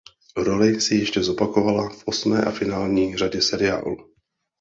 Roli si ještě zopakovala v osmé a finální řadě seriálu.